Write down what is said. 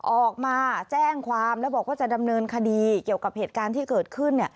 ออกมาแจ้งความแล้วบอกว่าจะดำเนินคดีเกี่ยวกับเหตุการณ์ที่เกิดขึ้น